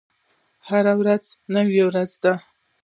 هره ورځ نوې ورځ ده